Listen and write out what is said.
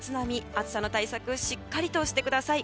暑さの対策しっかりしてください。